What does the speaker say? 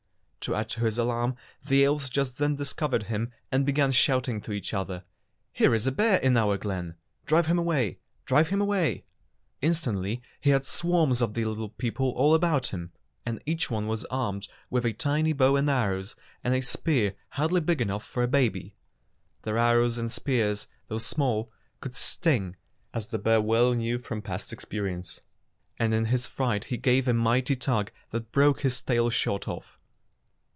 To add to his alarm the elves just then discovered him and began shouting to each other: "Here is a bear in our glen! Drive him away! Drive him away!" Instantly he had swarms of the little people all about him, and each one was armed with 220 Fairy Tale Foxes a tiny bow and arrows and a spear hardly big enough for a baby. Their arrows and spears, though small, could sting, as the bear well knew from past experience, and in his fright he gave a mighty tug that broke his tail short off.